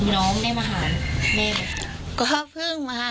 น้องได้มาหาแม่ไหม